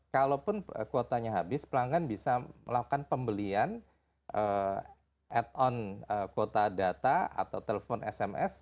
kalaupun kuotanya habis pelanggan bisa melakukan pembelian at on kuota data atau telepon sms